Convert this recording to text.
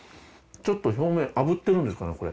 ちょっと表面炙ってるんですかね